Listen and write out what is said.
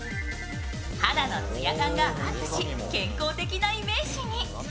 肌のつや感がアップし、健康的なイメージに。